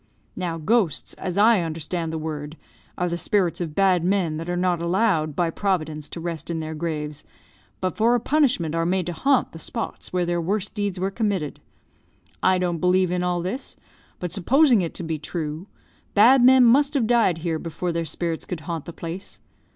Now, ghosts, as I understand the word, are the spirits of bad men that are not allowed by Providence to rest in their graves but, for a punishment, are made to haunt the spots where their worst deeds were committed. I don't believe in all this; but, supposing it to be true, bad men must have died here before their spirits could haunt the place.